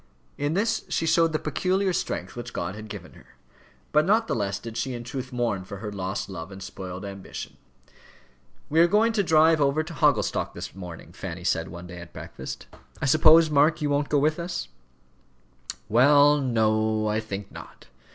In this she showed the peculiar strength which God had given her. But not the less did she in truth mourn for her lost love and spoiled ambition. "We are going to drive over to Hogglestock this morning," Fanny said one day at breakfast. "I suppose, Mark, you won't go with us?" "Well, no; I think not.